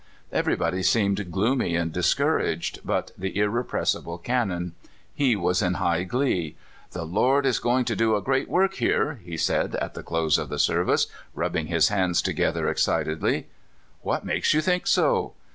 Everybody seemed gloomy and discouraged but the irrepressible Cannon. He was in high glee. "The Lord is going to do a great work here," he said at the close of the service, rubbing his hands? together excitedly. "What makes you think so?"